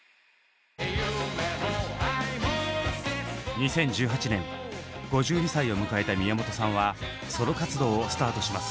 ２０１８年５２歳を迎えた宮本さんはソロ活動をスタートします。